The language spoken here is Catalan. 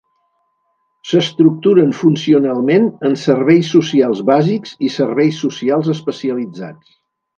S'estructuren funcionalment en serveis socials bàsics i serveis socials especialitzats.